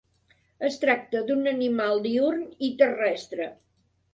Es tracta d'un animal diürn i terrestre.